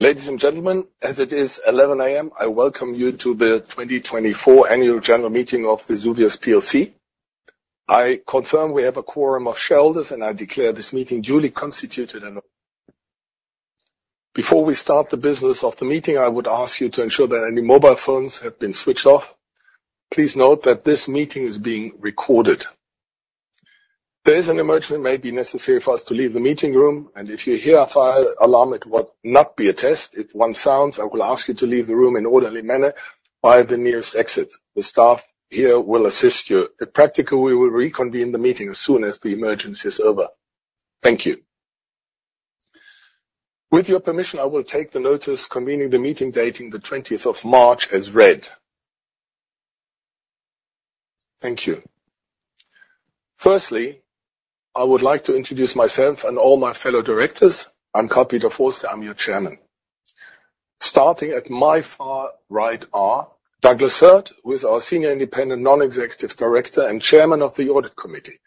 Ladies and gentlemen, as it is 11:00 A.M., I welcome you to the 2024 Annual General Meeting of Vesuvius PLC. I confirm we have a quorum of shareholders, and I declare this meeting duly constituted. Before we start the business of the meeting, I would ask you to ensure that any mobile phones have been switched off. Please note that this meeting is being recorded. There is an emergency. It may be necessary for us to leave the meeting room, and if you hear a fire alarm, it will not be a test. If one sounds, I will ask you to leave the room in an orderly manner by the nearest exit. The staff here will assist you. In practice, we will reconvene the meeting as soon as the emergency is over. Thank you. With your permission, I will take the notice convening the meeting dating the twentieth of March as read. Thank you. Firstly, I would like to introduce myself and all my fellow directors. I'm Carl-Peter Forster. I'm your chairman. Starting at my far right are Douglas Hurt, who is our senior independent non-executive director and chairman of the Audit Committee.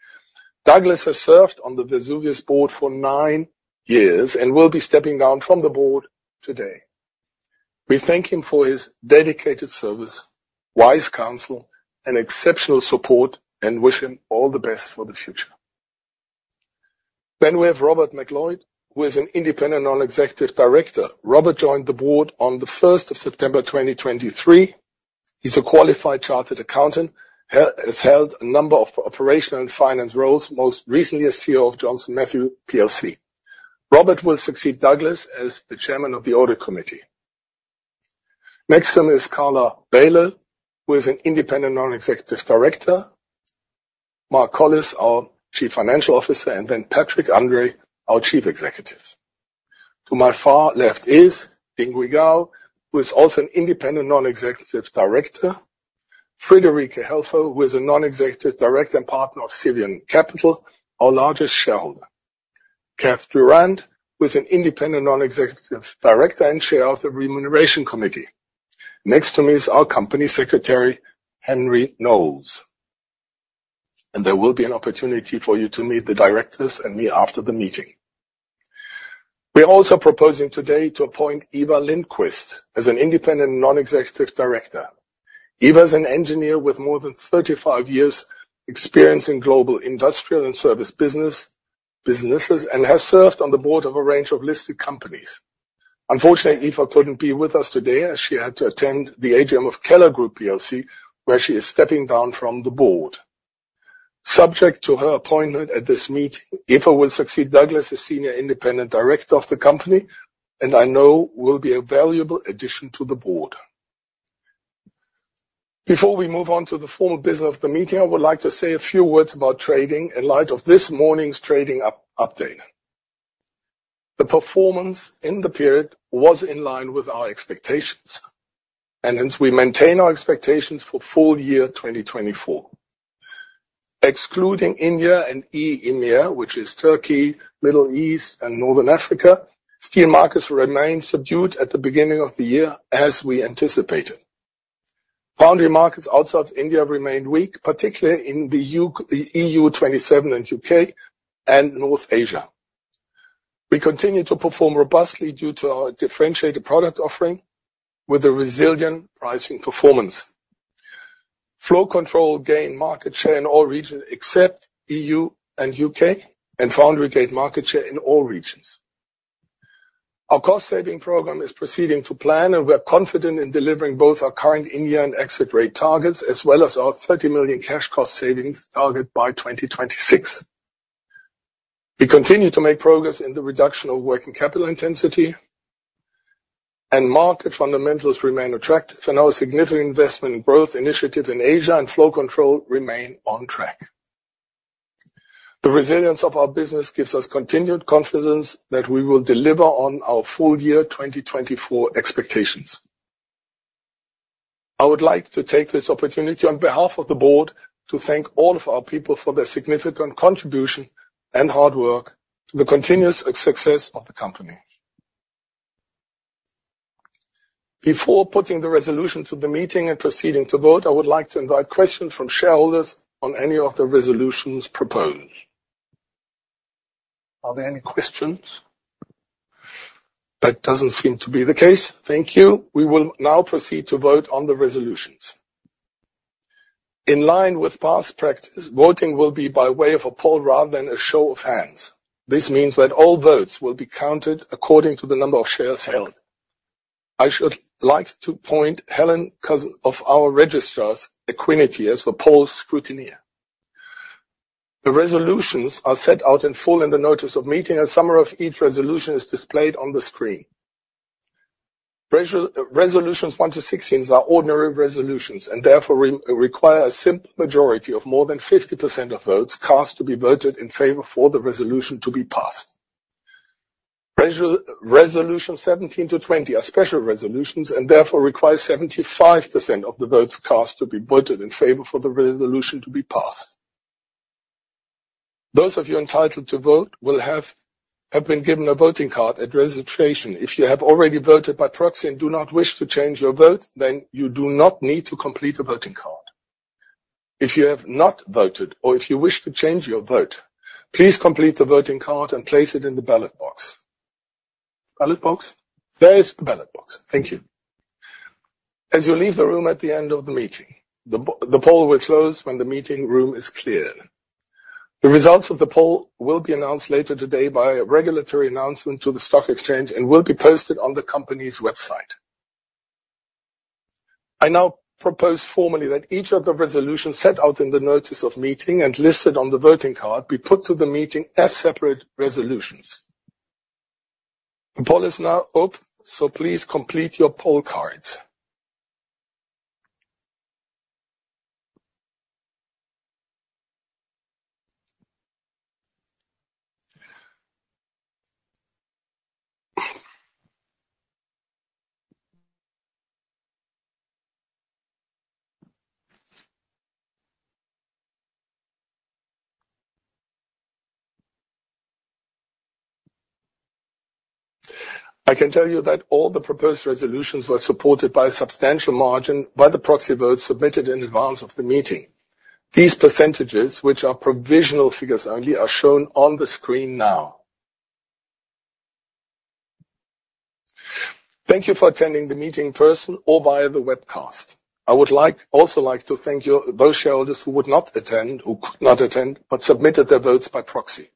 Douglas has served on the Vesuvius board for nine years and will be stepping down from the board today. We thank him for his dedicated service, wise counsel, and exceptional support, and wish him all the best for the future. Then we have Robert MacLeod, who is an independent non-executive director. Robert joined the board on the first of September, twenty twenty-three. He's a qualified chartered accountant. He has held a number of operational and finance roles, most recently as CEO of Johnson Matthey plc. Robert will succeed Douglas as the chairman of the Audit Committee. Next to him is Carla Bailo, who is an independent non-executive director. Mark Collis, our Chief Financial Officer, and then Patrick André, our Chief Executive. To my far left is Dinggui Gao, who is also an independent non-executive director. Friederike Helfer, who is a non-executive director and partner of Cevian Capital, our largest shareholder. Kath Durrant, who is an independent non-executive director and chair of the Remuneration Committee. Next to me is our Company Secretary, Henry Knowles. There will be an opportunity for you to meet the directors and me after the meeting. We are also proposing today to appoint Eva Lindqvist as an independent non-executive director. Eva is an engineer with more than 35 years' experience in global industrial and service business, and has served on the board of a range of listed companies. Unfortunately, Eva couldn't be with us today as she had to attend the AGM of Keller Group plc, where she is stepping down from the board. Subject to her appointment at this meeting, Eva will succeed Douglas as senior independent director of the company, and I know will be a valuable addition to the board. Before we move on to the formal business of the meeting, I would like to say a few words about trading in light of this morning's trading update. The performance in the period was in line with our expectations, and hence, we maintain our expectations for full year 2024. Excluding India and EEMEA, which is Turkey, Middle East, and Northern Africa, steel markets remain subdued at the beginning of the year, as we anticipated. Foundry markets outside of India remain weak, particularly in the EU27 and U.K. and North Asia. We continue to perform robustly due to our differentiated product offering with a resilient pricing performance. Flow Control gained market share in all regions except E.U. and U.K., and Foundry gained market share in all regions. Our cost-saving program is proceeding to plan, and we are confident in delivering both our current India and exit rate targets, as well as our 30 million cash cost savings target by 2026. We continue to make progress in the reduction of working capital intensity, and market fundamentals remain attractive, and our significant investment in growth initiative in Asia and Flow Control remain on track. The resilience of our business gives us continued confidence that we will deliver on our full year 2024 expectations. I would like to take this opportunity, on behalf of the board, to thank all of our people for their significant contribution and hard work to the continuous success of the company. Before putting the resolution to the meeting and proceeding to vote, I would like to invite questions from shareholders on any of the resolutions proposed. Are there any questions? That doesn't seem to be the case. Thank you. We will now proceed to vote on the resolutions. In line with past practice, voting will be by way of a poll rather than a show of hands. This means that all votes will be counted according to the number of shares held. I should like to appoint Helen Cousins of our registrars, Equiniti, as the poll scrutineer. The resolutions are set out in full in the notice of meeting, a summary of each resolution is displayed on the screen. Resolutions one to 16 are ordinary resolutions and therefore require a simple majority of more than 50% of votes cast to be voted in favor for the resolution to be passed. Resolution 17-20 are special resolutions and therefore require 75% of the votes cast to be voted in favor for the resolution to be passed. Those of you entitled to vote will have been given a voting card at registration. If you have already voted by proxy and do not wish to change your vote, then you do not need to complete a voting card. If you have not voted or if you wish to change your vote, please complete the voting card and place it in the ballot box. Ballot box? There is the ballot box. Thank you. As you leave the room at the end of the meeting, the b... The poll will close when the meeting room is cleared. The results of the poll will be announced later today by a regulatory announcement to the stock exchange and will be posted on the company's website. I now propose formally that each of the resolutions set out in the notice of meeting and listed on the voting card, be put to the meeting as separate resolutions. The poll is now open, so please complete your poll card. I can tell you that all the proposed resolutions were supported by a substantial margin by the proxy votes submitted in advance of the meeting. These %s, which are provisional figures only, are shown on the screen now. Thank you for attending the meeting in person or via the webcast. I would like, also like to thank you, those shareholders who would not attend, who could not attend, but submitted their votes by proxy.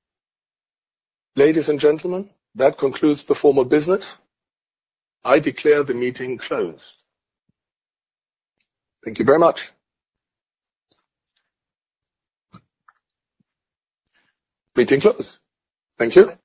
Ladies and gentlemen, that concludes the formal business. I declare the meeting closed. Thank you very much. Meeting closed. Thank you.